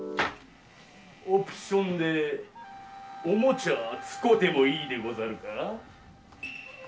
オプションでおもちゃ使てもいいでござるか？